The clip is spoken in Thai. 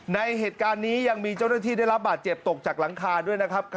ในเหตุการณ์นี้ยังมีเจ้าหน้าที่ได้รับบาดเจ็บตกจากหลังคาด้วยนะครับ